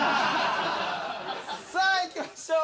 さあいきましょう。